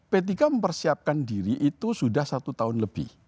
p tiga mempersiapkan diri itu sudah satu tahun lebih